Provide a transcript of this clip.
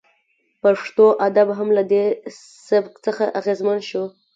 پښتو ادب هم له دې سبک څخه اغیزمن شو